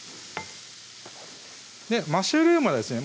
マッシュルームはですね